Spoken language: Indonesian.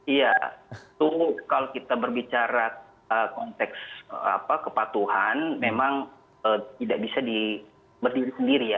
iya itu kalau kita berbicara konteks kepatuhan memang tidak bisa berdiri sendiri ya